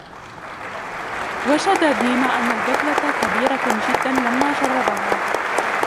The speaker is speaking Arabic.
وجد ديما أن البذلة كبيرة جدا لمّا جربها.